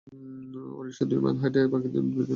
রিকশায়, দু-মাইল হেঁটে, এবং বাকি দু-তিন মাইল নৌকায়।